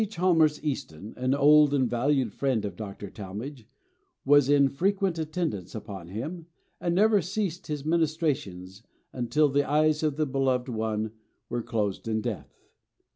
Chalmers Easton, an old and valued friend of Dr. Talmage, was in frequent attendance upon him, and never ceased his ministrations until the eyes of the beloved one were closed in death.